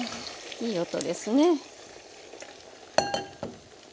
いい音ですね。